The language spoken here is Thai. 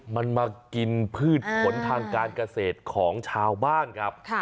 มันมากินพืชผลทางการเกษตรของชาวบ้านครับ